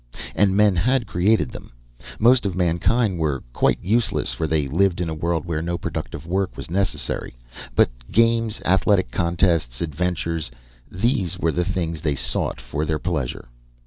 And men had created them. Most of mankind were quite useless, for they lived in a world where no productive work was necessary. But games, athletic contests, adventure these were the things they sought for their pleasure.